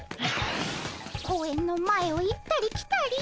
公園の前を行ったり来たり。